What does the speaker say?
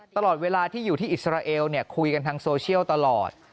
ตลอดเวลาที่อยู่ที่อิสราเอลคุยกันทางโซเชียลตลอด